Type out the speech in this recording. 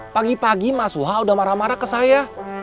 pagi pagi mas wah udah marah marah ke saya